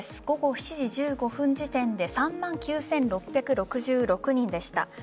午後７時１５分時点で３万９６６６人でした。